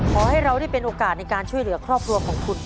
ขอให้เราได้เป็นโอกาสในการช่วยเหลือครอบครัวของคุณ